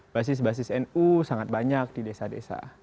basis basis nu sangat banyak di desa desa